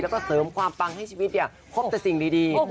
แล้วก็เสริมความปังให้ชีวิตเนี่ยพบแต่สิ่งดี